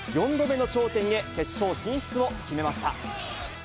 ４度目の頂点へ、決勝進出を決めました。